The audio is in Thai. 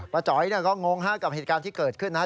จ๋อยก็งงฮะกับเหตุการณ์ที่เกิดขึ้นนะครับ